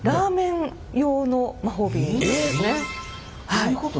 どういうこと？